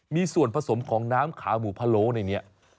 มีส่วนผสมของน้ำขาหมูพะโล้ในนี้